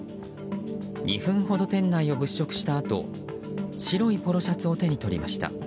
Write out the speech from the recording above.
２分ほど店内を物色したあと白いポロシャツを手に取りました。